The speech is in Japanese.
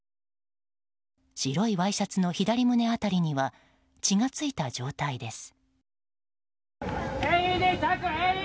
白いワイシャツの左胸辺りには血が付いた状態です。